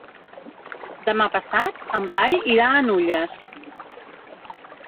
Demà passat en Blai irà a Nulles.